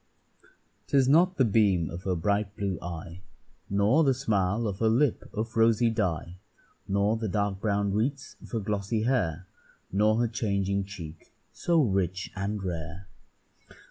'Tis not the beam of her bright blue eye, Nor the smile of her lip of rosy dye, Nor the dark brown wreaths of her glossy hair, Nor her changing cheek, so rich and rare.